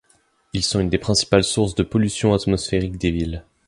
Ils sont une des principales sources de pollution atmosphérique des villes.